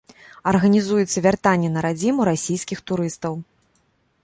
Арганізуецца вяртанне на радзіму расійскіх турыстаў.